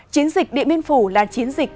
chiến dịch điện biên phủ là chiến dịch